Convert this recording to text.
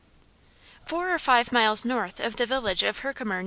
Four or five miles north of the village of Herkimer, N.